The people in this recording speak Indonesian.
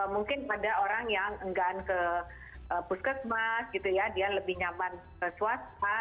mungkin pada orang yang enggak ke puskesmas dia lebih nyaman ke swasta